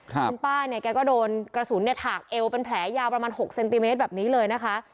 คุณป้าเนี่ยแกก็โดนกระสุนเนี่ยถากเอวเป็นแผลยาวประมาณ๖เซนติเมตรแบบนี้เลยนะคะ